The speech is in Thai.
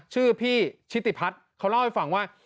ชื่อพี่ชิติพัฒน์เขาเล่าให้ฟังว่า